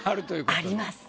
あります。